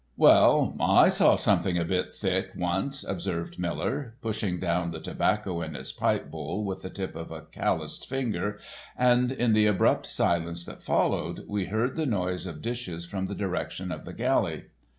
"Well, I saw something a bit thick once," observed Miller, pushing down the tobacco in his pipe bowl with the tip of a callous finger, and in the abrupt silence that followed we heard the noise of dishes from the direction of the galley.